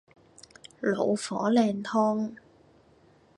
老火靚湯